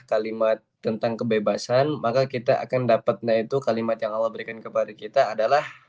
kalimat tentang kebebasan maka kita akan dapatnya itu kalimat yang allah berikan kepada kita adalah